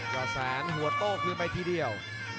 ยอดแสนหัวโต้คือไม่ทีเดียว